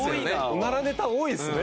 オナラネタ多いですね。